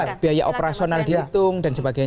ya biaya operasional dihitung dan sebagainya